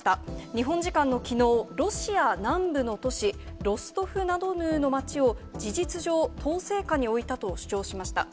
日本時間のきのう、ロシア南部の都市、ロストフナドヌーの町を、事実上、統制下に置いたと主張しました。